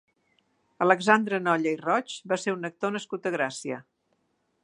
Alexandre Nolla i Roig va ser un actor nascut a Gràcia.